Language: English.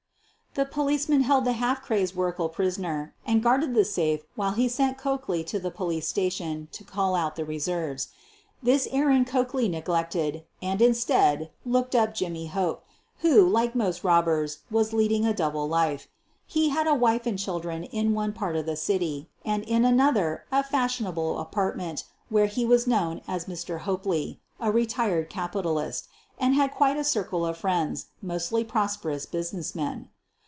The policeman held the half crazed Werkle pris oner and guarded the safe while he sent Coakley to the police station to call out the reserves. This er rand Coakley neglected and, instead, looked up Jimmy Hope, who, like most robbers, was leading a double life. He had a wife and children in one part of the city, and in another a fashionable apart ment where he was known as Mr. Hopely, a retired capitalist, and had quite a circle of friends, mostly prosperous business men.